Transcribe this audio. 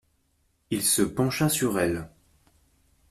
Il se pencha sur elle.